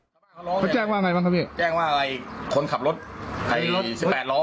เขาแจ้งว่าอะไรบ้างครับพี่แจ้งว่าไอ้คนขับรถไอ้สิบแปดล้อ